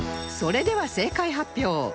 それでは正解発表